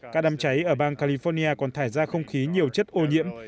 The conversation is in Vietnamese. các đám cháy ở bang california còn thải ra không khí nhiều chất ô nhiễm